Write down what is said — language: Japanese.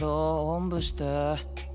おんぶしてー。